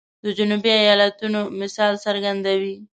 د جنوبي ایالاتونو مثال څرګندوي.